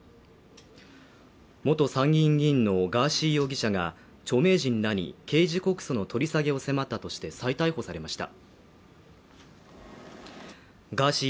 元参議院議員のガーシー容疑者が、著名人らに刑事告訴の取り下げを迫ったとして再逮捕されました。